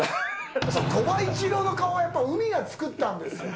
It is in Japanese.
鳥羽一郎の顔はやっぱ海が作ったんですよ。